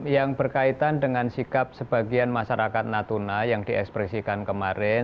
yang berkaitan dengan sikap sebagian masyarakat natuna yang diekspresikan kemarin